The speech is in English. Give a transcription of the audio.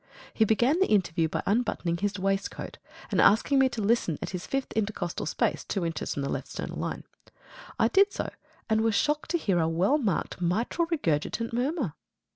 He began the interview by unbuttoning his waistcoat and asking me to listen at his fifth intercostal space, two inches from the left sternal line. I did so, and was shocked to hear a well marked mitral regurgitant murmur.